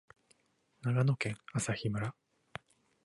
長野県朝日村